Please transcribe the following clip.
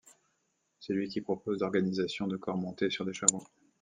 C'est lui qui propose l'organisation de corps montés sur des chameaux.